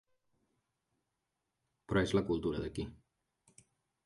Però és la cultura d'aquí.